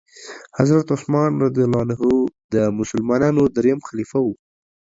حضرت عثمان رضي الله تعالی عنه د مسلمانانو دريم خليفه وو.